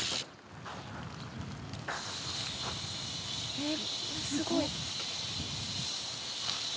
えっすごい。